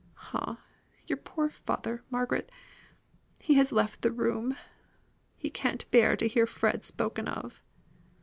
Ah! Your poor father, Margaret. He has left the room. He can't bear to hear Fred spoken of."